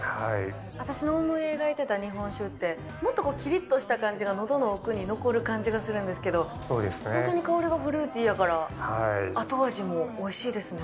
私の思い描いてた日本酒って、もっときりっとした感じがのどの奥に残る感じがするんですけど、ほんとに香りがフルーティーやから、後味もおいしいですね。